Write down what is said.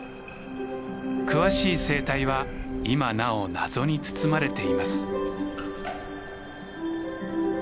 詳しい生態は今なお謎に包まれています。